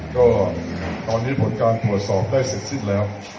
ก็ตอนนี้ผลการตรวจสอบได้เสร็จสิ้นแล้ว